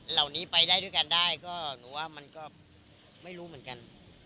เหล่านี้ไปได้ด้วยกันได้ก็หนูว่ามันก็ไม่รู้เหมือนกัน